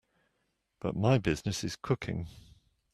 But my business is cooking.